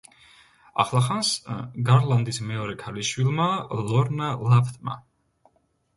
ახლახანს გარლანდის მეორე ქალიშვილმა ლორნა ლაფტმა.